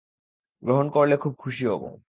গ্রহণ করলে খুব খুশি হব।